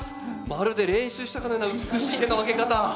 まるで練習したかのような美しい手の挙げ方。